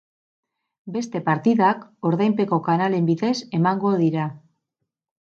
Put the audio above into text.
Beste partidak ordainpeko kanalen bidez emango dira.